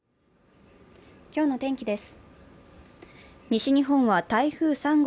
今日の天気です。